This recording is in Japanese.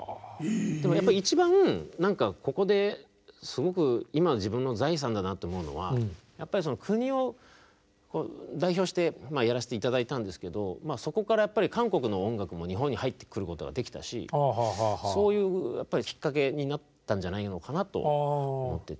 一番何かここですごく今の自分の財産だなと思うのは国を代表してやらせて頂いたんですけどそこから韓国の音楽も日本に入ってくることができたしそういうきっかけになったんじゃないのかなと思ってて。